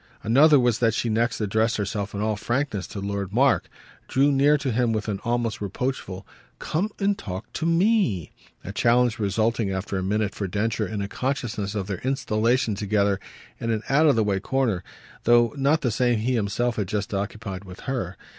Another was that she next addressed herself in all frankness to Lord Mark, drew near to him with an almost reproachful "Come and talk to ME!" a challenge resulting after a minute for Densher in a consciousness of their installation together in an out of the way corner, though not the same he himself had just occupied with her.